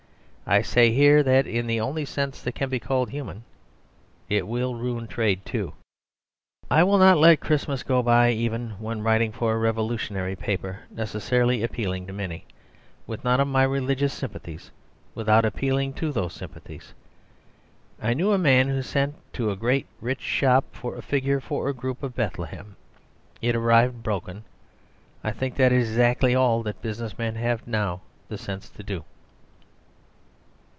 I say here that in the only sense that can be called human, it will ruin trade, too. I will not let Christmas go by, even when writing for a revolutionary paper necessarily appealing to many with none of my religious sympathies, without appealing to those sympathies. I knew a man who sent to a great rich shop for a figure for a group of Bethlehem. It arrived broken. I think that is exactly all that business men have now the sense to do.